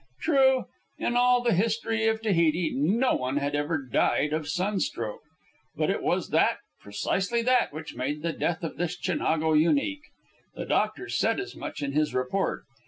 True, in all the history of Tahiti no one had ever died of sunstroke. But it was that, precisely that, which made the death of this Chinago unique. The doctor said as much in his report.